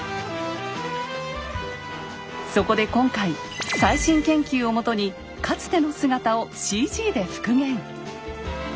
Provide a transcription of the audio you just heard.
そこで今回最新研究をもとにかつての姿をＣＧで復元。